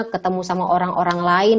ketemu sama orang orang lain